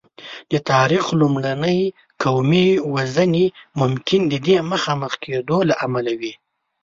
د تاریخ لومړنۍ قومي وژنې ممکن د دې مخامخ کېدو له امله وې.